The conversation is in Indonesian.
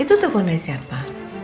itu telfon dari siapa